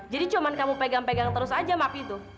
jadi cuma kamu pegang pegang terus aja map itu